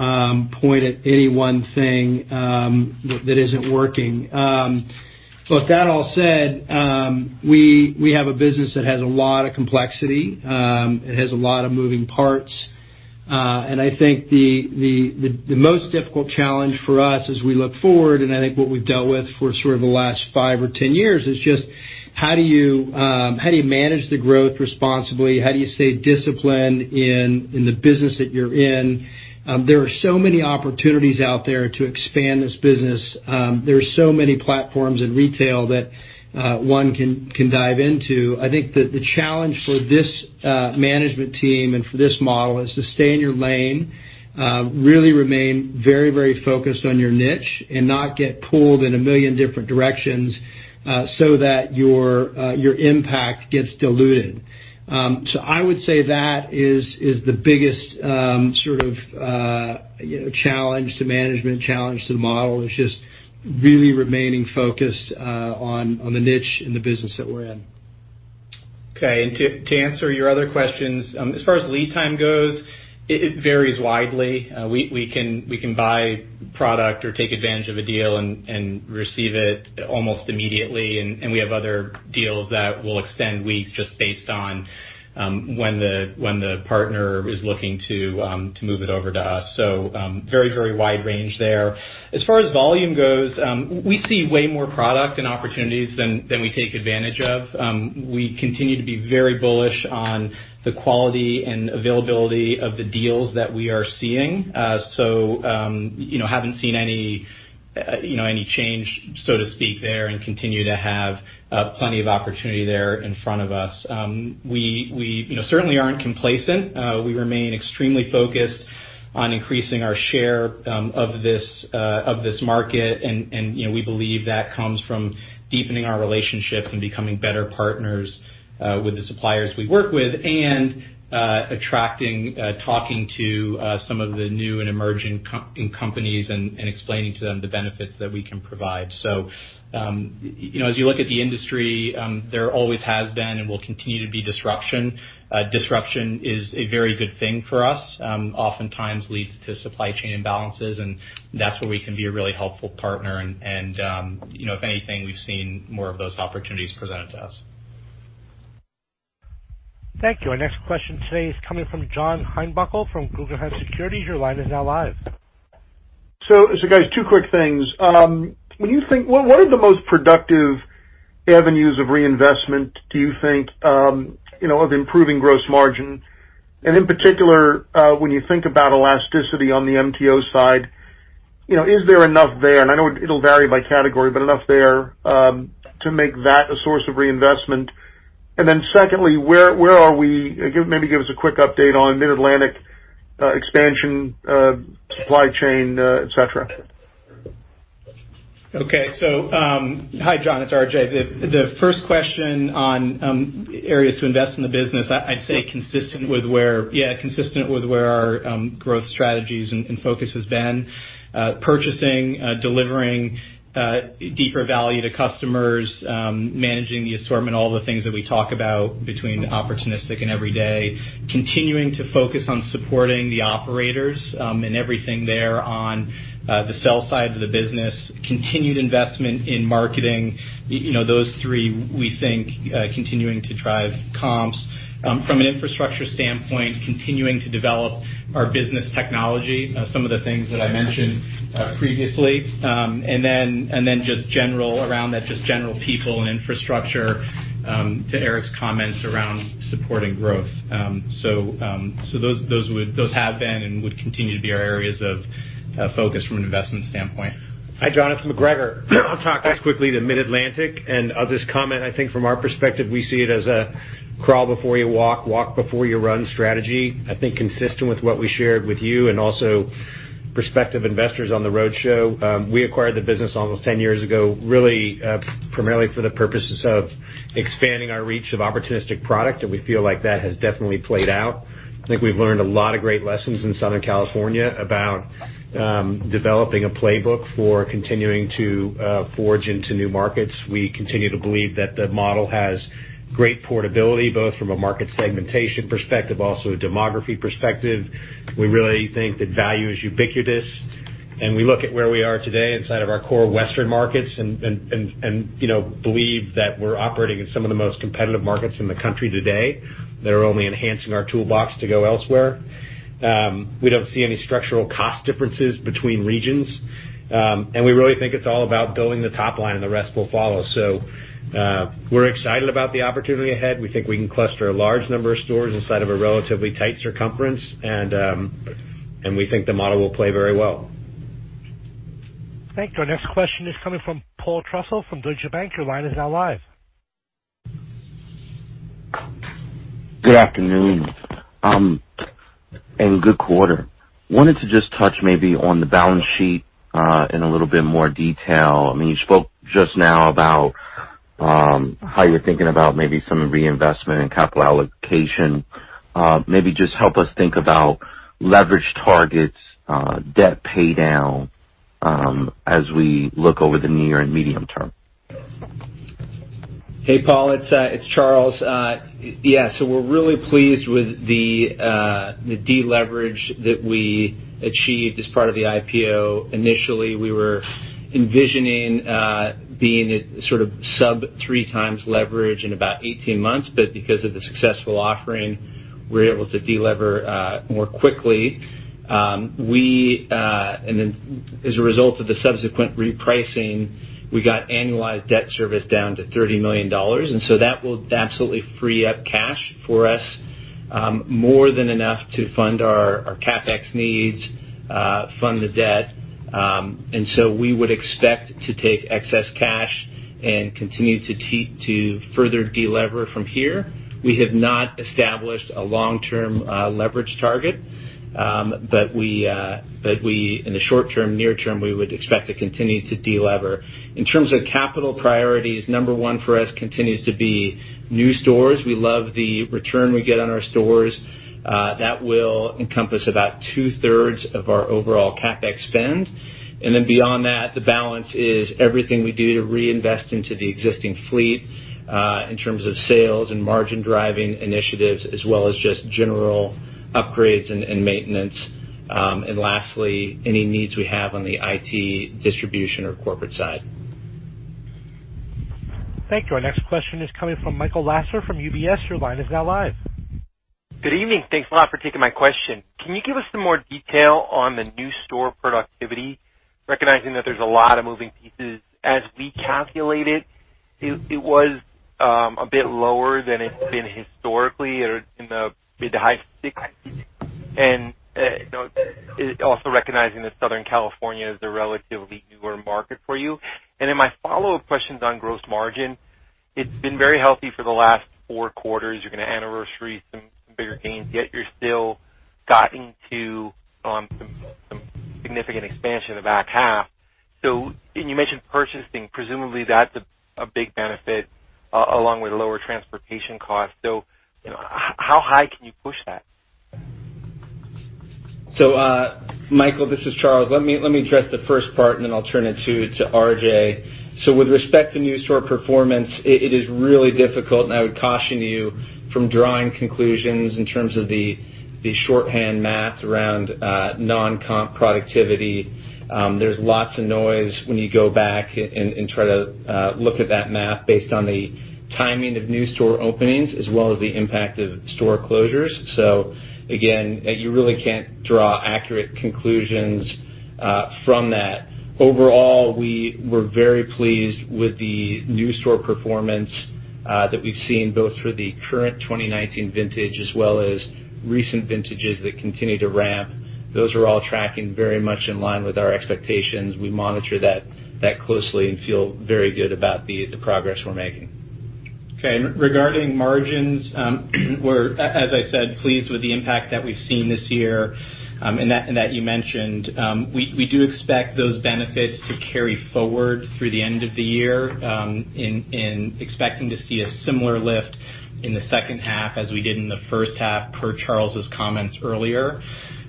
point at any one thing that isn't working. That all said, we have a business that has a lot of complexity. It has a lot of moving parts. I think the most difficult challenge for us as we look forward, and I think what we've dealt with for sort of the last five or 10 years is just how do you manage the growth responsibly? How do you stay disciplined in the business that you're in? There are so many opportunities out there to expand this business. There are so many platforms in retail that one can dive into. I think that the challenge for this management team and for this model is to stay in your lane, really remain very focused on your niche and not get pulled in a million different directions so that your impact gets diluted. I would say that is the biggest sort of challenge to management, challenge to the model, is just really remaining focused on the niche and the business that we're in. Okay, to answer your other questions, as far as lead time goes, it varies widely. We can buy product or take advantage of a deal and receive it almost immediately. We have other deals that will extend weeks just based on when the partner is looking to move it over to us. Very wide range there. As far as volume goes, we see way more product and opportunities than we take advantage of. We continue to be very bullish on the quality and availability of the deals that we are seeing. Haven't seen any change, so to speak, there and continue to have plenty of opportunity there in front of us. We certainly aren't complacent. We remain extremely focused on increasing our share of this market. We believe that comes from deepening our relationships and becoming better partners with the suppliers we work with and attracting, talking to some of the new and emerging companies and explaining to them the benefits that we can provide. As you look at the industry, there always has been and will continue to be disruption. Disruption is a very good thing for us. Oftentimes leads to supply chain imbalances, and that's where we can be a really helpful partner. If anything, we've seen more of those opportunities presented to us. Thank you. Our next question today is coming from John Heinbockel from Guggenheim Securities. Your line is now live. Guys, two quick things. What are the most productive avenues of reinvestment, do you think, of improving gross margin? And in particular, when you think about elasticity on the MTO side, is there enough there, and I know it'll vary by category, but enough there, to make that a source of reinvestment? And then secondly, where are we? Maybe give us a quick update on Mid-Atlantic expansion, supply chain, et cetera. Okay. Hi, John, it's RJ. The first question on areas to invest in the business, I'd say consistent with where our growth strategies and focus has been. Purchasing, delivering deeper value to customers, managing the assortment, all the things that we talk about between opportunistic and every day, continuing to focus on supporting the Independent Operators, and everything there on the sell side of the business, continued investment in marketing. Those three, we think, continuing to drive comps. From an infrastructure standpoint, continuing to develop our business technology, some of the things that I mentioned previously. Around that, just general people and infrastructure, to Eric's comments around supporting growth. Those have been and would continue to be our areas of focus from an investment standpoint. Hi, John, it's MacGregor. I'll talk as quickly to Mid-Atlantic and of this comment, I think from our perspective, we see it as a crawl before you walk before you run strategy. I think consistent with what we shared with you and also prospective investors on the roadshow. We acquired the business almost 10 years ago, really, primarily for the purposes of expanding our reach of opportunistic product, and we feel like that has definitely played out. I think we've learned a lot of great lessons in Southern California about developing a playbook for continuing to forge into new markets. We continue to believe that the model has great portability, both from a market segmentation perspective, also a demography perspective. We really think that value is ubiquitous, and we look at where we are today inside of our core Western markets and believe that we're operating in some of the most competitive markets in the country today. They're only enhancing our toolbox to go elsewhere. We don't see any structural cost differences between regions. We really think it's all about building the top line, and the rest will follow. We're excited about the opportunity ahead. We think we can cluster a large number of stores inside of a relatively tight circumference, and we think the model will play very well. Thank you. Our next question is coming from Paul Trussell from Deutsche Bank. Your line is now live. Good afternoon. Good quarter. Wanted to just touch maybe on the balance sheet, in a little bit more detail. You spoke just now about how you're thinking about maybe some reinvestment in capital allocation. Maybe just help us think about leverage targets, debt paydown, as we look over the near and medium term. Hey, Paul, it's Charles. Yeah. We're really pleased with the deleverage that we achieved as part of the IPO. Initially, we were envisioning being at sort of sub three times leverage in about 18 months, but because of the successful offering, we were able to delever more quickly. As a result of the subsequent repricing, we got annualized debt service down to $30 million. That will absolutely free up cash for us, more than enough to fund our CapEx needs, fund the debt. We would expect to take excess cash and continue to further delever from here. We have not established a long-term leverage target. We, in the short-term, near term, we would expect to continue to delever. In terms of capital priorities, number one for us continues to be new stores. We love the return we get on our stores. That will encompass about two-thirds of our overall CapEx spend. Beyond that, the balance is everything we do to reinvest into the existing fleet, in terms of sales and margin-driving initiatives, as well as just general upgrades and maintenance. Lastly, any needs we have on the IT distribution or corporate side. Thank you. Our next question is coming from Michael Lasser from UBS. Your line is now live. Good evening. Thanks a lot for taking my question. Can you give us some more detail on the new store productivity, recognizing that there's a lot of moving pieces? As we calculate it was a bit lower than it's been historically or in the mid to high six. Also recognizing that Southern California is a relatively newer market for you. My follow-up question is on gross margin. It's been very healthy for the last four quarters. You're going to anniversary some bigger gains, yet you're still guiding to some significant expansion in the back half. You mentioned purchasing, presumably that's a big benefit along with lower transportation costs. How high can you push that? Michael, this is Charles. Let me address the first part, and then I'll turn it to RJ. With respect to new store performance, it is really difficult, and I would caution you from drawing conclusions in terms of the shorthand math around non-comp productivity. There's lots of noise when you go back and try to look at that math based on the timing of new store openings as well as the impact of store closures. Again, you really can't draw accurate conclusions from that. Overall, we were very pleased with the new store performance that we've seen, both for the current 2019 vintage as well as recent vintages that continue to ramp. Those are all tracking very much in line with our expectations. We monitor that closely and feel very good about the progress we're making. Okay, regarding margins, we're, as I said, pleased with the impact that we've seen this year and that you mentioned. We do expect those benefits to carry forward through the end of the year and expecting to see a similar lift in the second half as we did in the first half, per Charles' comments earlier.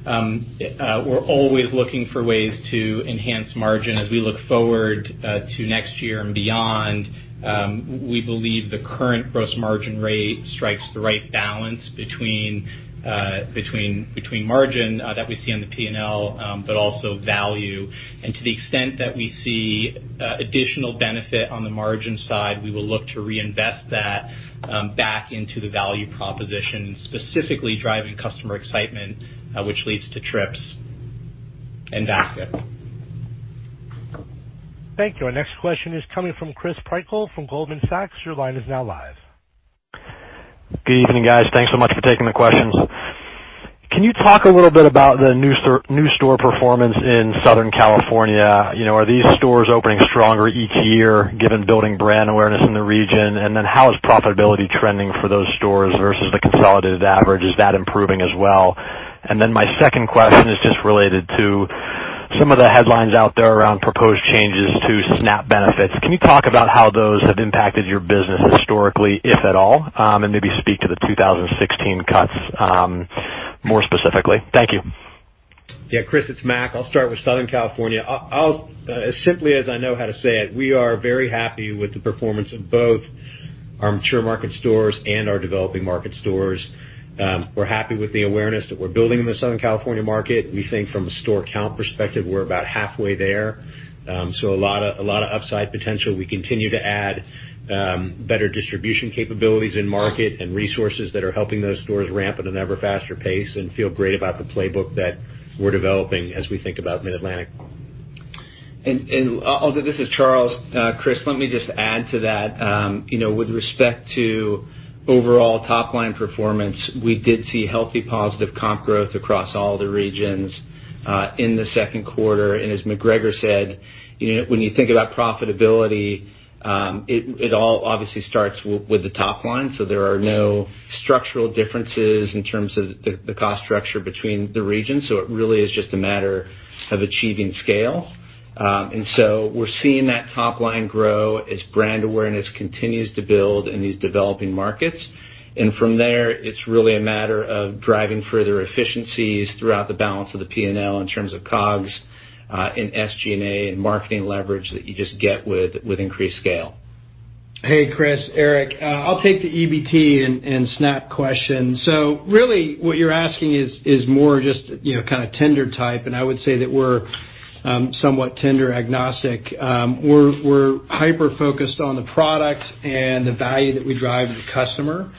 We're always looking for ways to enhance margin as we look forward to next year and beyond. We believe the current gross margin rate strikes the right balance between margin that we see on the P&L, but also value. To the extent that we see additional benefit on the margin side, we will look to reinvest that back into the value proposition, specifically driving customer excitement, which leads to trips and basket. Thank you. Our next question is coming from Kate McShane from Goldman Sachs. Your line is now live. Good evening, guys. Thanks so much for taking the questions. Can you talk a little bit about the new store performance in Southern California? Are these stores opening stronger each year, given building brand awareness in the region? How is profitability trending for those stores versus the consolidated average? Is that improving as well? My second question is just related to some of the headlines out there around proposed changes to SNAP benefits. Can you talk about how those have impacted your business historically, if at all? Maybe speak to the 2016 cuts more specifically. Thank you. Yeah, Kate, it's Mac. I'll start with Southern California. As simply as I know how to say it, we are very happy with the performance of both our mature market stores and our developing market stores. We're happy with the awareness that we're building in the Southern California market. We think from a store count perspective, we're about halfway there. A lot of upside potential. We continue to add better distribution capabilities in market and resources that are helping those stores ramp at an ever faster pace and feel great about the playbook that we're developing as we think about Mid-Atlantic. Although this is Charles, Chris, let me just add to that. With respect to overall top-line performance, we did see healthy, positive comp growth across all the regions, in the second quarter. As MacGregor said, when you think about profitability, it all obviously starts with the top line. There are no structural differences in terms of the cost structure between the regions. It really is just a matter of achieving scale. We're seeing that top line grow as brand awareness continues to build in these developing markets. From there, it's really a matter of driving further efficiencies throughout the balance of the P&L in terms of COGS and SG&A and marketing leverage that you just get with increased scale. Hey, Chris. Eric. I'll take the EBT and SNAP question. Really what you're asking is more just tender type, and I would say that we're somewhat tender agnostic. We're hyper-focused on the product and the value that we drive the customer.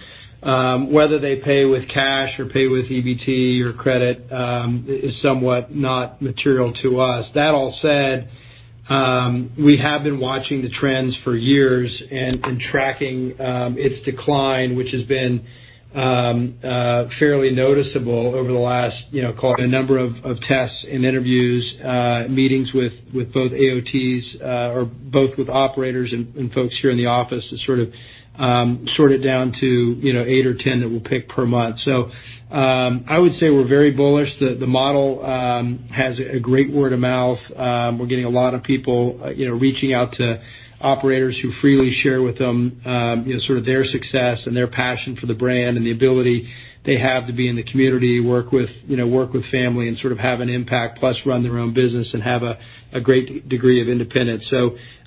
Whether they pay with cash or pay with EBT or credit, is somewhat not material to us. That all said, we have been watching the trends for years and tracking its decline, which has been fairly noticeable over the last call it a number of tests and interviews, meetings with both AOTs or both with operators and folks here in the office to sort of sort it down to eight or 10 that we'll pick per month. I would say we're very bullish. The model has a great word of mouth. We're getting a lot of people reaching out to operators who freely share with them their success and their passion for the brand and the ability they have to be in the community, work with family, and sort of have an impact, plus run their own business and have a great degree of independence.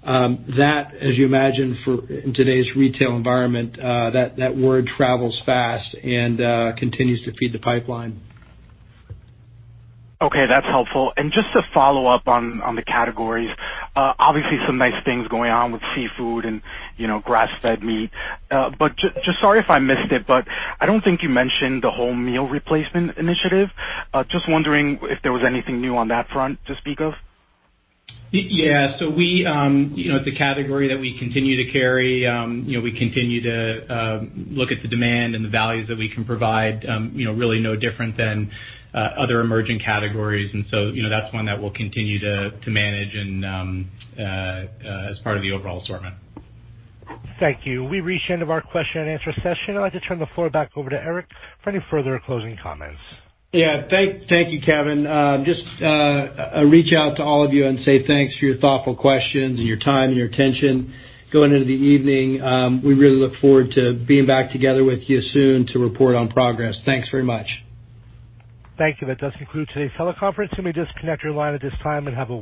That, as you imagine, in today's retail environment, that word travels fast and continues to feed the pipeline. Okay, that's helpful. Just to follow up on the categories, obviously some nice things going on with seafood and grass-fed meat. Just, sorry if I missed it, but I don't think you mentioned the whole meal replacement initiative. Just wondering if there was anything new on that front to speak of? It's a category that we continue to carry. We continue to look at the demand and the values that we can provide, really no different than other emerging categories. That's one that we'll continue to manage and as part of the overall assortment. Thank you. We've reached the end of our question and answer session. I'd like to turn the floor back over to Eric for any further closing comments. Thank you, Kevin. Just reach out to all of you and say thanks for your thoughtful questions and your time and your attention going into the evening. We really look forward to being back together with you soon to report on progress. Thanks very much. Thank you. That does conclude today's teleconference. You may disconnect your line at this time and have a wonderful day.